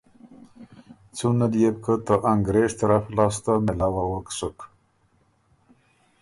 څُون ال يې بو که ته انګرېز طرف لاسته مېلاؤوَک سُک۔